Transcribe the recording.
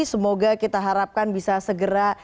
semoga kita harapkan bisa segera